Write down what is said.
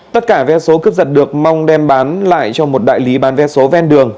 tất cả vé số cướp giật được mong đem bán lại cho một đại lý bán vé số ven đường